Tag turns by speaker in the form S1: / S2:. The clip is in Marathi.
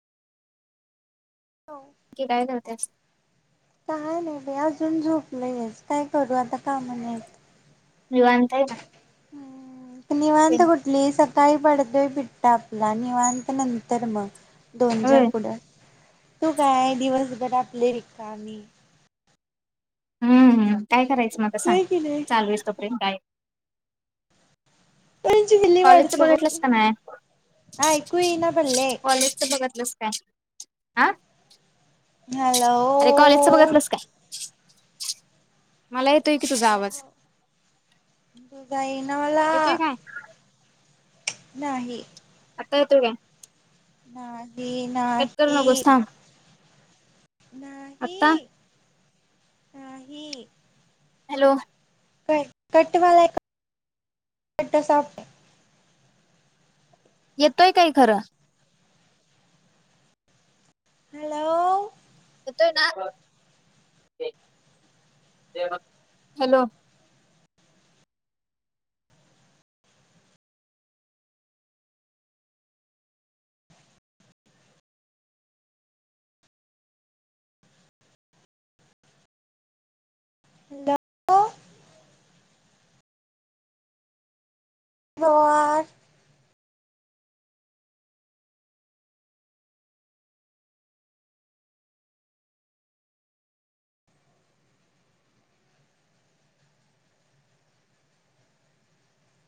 S1: हो.
S2: काय नव्हत
S1: काय नाही अजून झोपलय, काय करू आता? काम नाहीत.
S2: निवांत आहे ना
S1: ह निवांत कुठली? सगळी काही पडतोय पिठ्ठा आपला. निवांत नंतर मग. दोन
S2: होय
S1: च्या पुढ तू काय आहे दिवसभर आपले रिकामी.
S2: हम्म हम्. काय करायचं म आता सांग?
S1: होय की नाही
S2: चालू हुईस तोपर्यंतय
S1: जली
S2: कॉलेजच
S1: वाडत
S2: बघितलंस का नाही
S1: ऐकू येईना पल्ले.
S2: आ?
S1: हॅलो.
S2: अरे कॉलेजच बघितलंस काय? मला येतोय की तुझा आवाज
S1: येईना मला.
S2: येतोय काय
S1: नाही.
S2: आता येतोय काय?
S1: नाही
S2: कट करू
S1: नाही.
S2: नकोस थांब आता
S1: नाही. नाही.
S2: हॅलो.
S1: क कटवाला एक कट साप [unintelligible]
S2: येतोय काइ खरं?
S1: हॅलो.
S2: हॅलो
S1: [unintelligible] [unintelligible]